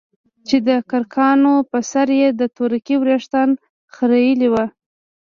چې دکرکانو په سر يې د تورکي وريښتان خرييلي وو.